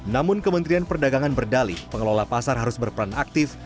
namun kementerian perdagangan berdali pengelola pasar harus berperan aktif